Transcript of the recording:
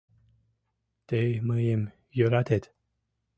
— Тый мыйым йӧратет.